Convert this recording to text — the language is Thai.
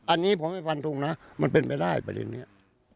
อันนี้ผมไม่ฟันทงนะมันเป็นไปได้ประเด็นนี้